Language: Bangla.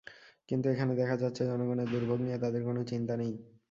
কিন্তু এখানে দেখা যাচ্ছে জনগণের দুর্ভোগ নিয়ে তাদের কোনো চিন্তা নেই।